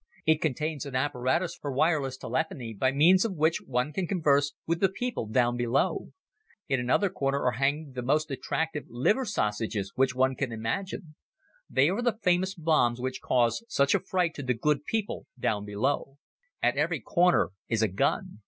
It contains an apparatus for wireless telephony by means of which one can converse with the people down below. In another corner are hanging the most attractive liver sausages which one can imagine. They are the famous bombs which cause such a fright to the good people down below. At every corner is a gun.